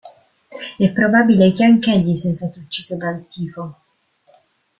È probabile che anch’egli sia stato ucciso dal tifo.